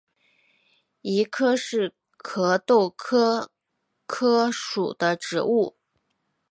谊柯是壳斗科柯属的植物。